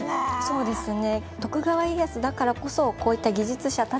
そうですね。